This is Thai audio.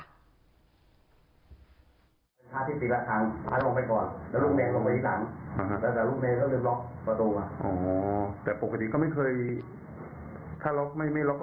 เหมือนยังลักษณะเหมือนการที่ว่าเขารู้ว่าจะออกตอนไหนเลย